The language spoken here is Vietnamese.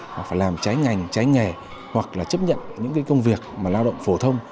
hoặc phải làm trái ngành trái nghề hoặc là chấp nhận những cái công việc mà lao động phổ thông